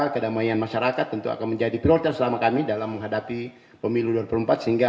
kedamaian masyarakat tentu akan menjadi prioritas selama kami dalam menghadapi pemilu dua ribu empat sehingga